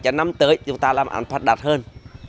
cho năm tới chúng ta làm ăn phát đạt hơn